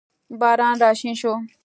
باران راشین شو